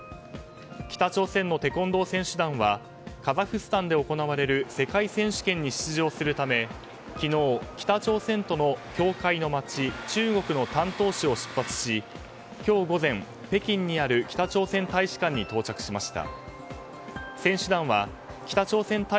北朝鮮のテコンドー選手団はカザフスタンで行われる世界選手権に出場するため昨日、北朝鮮との境界の街、中国の丹東市を出発し今日午前北京にある北朝鮮大使館に到着しました。